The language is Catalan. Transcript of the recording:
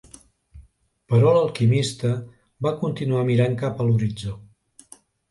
Però l'alquimista va continuar mirant cap a l'horitzó.